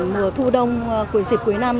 mùa thu đông cuối dịp cuối năm